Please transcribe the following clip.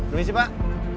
demi sih pak